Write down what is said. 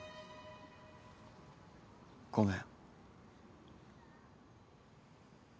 ごめん。